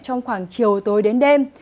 trong khoảng chiều tối đến đêm